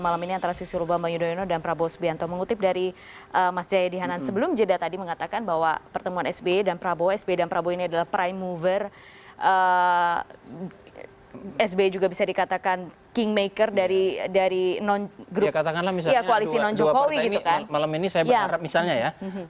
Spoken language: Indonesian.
malam ini saya berharap misalnya ya